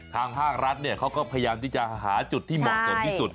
ทางภาครัฐเขาก็พยายามที่จะหาจุดที่เหมาะสมที่สุด